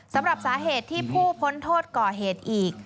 สำหรับสาเหตุที่ผู้พ้นโทษก่อเหตุอีก